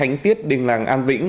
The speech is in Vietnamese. ban khánh tiết đình làng an vĩnh